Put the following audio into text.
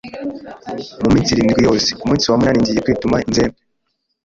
mu minsi irindwi yose, ku munsi wa munani ngiye kwituma inzembe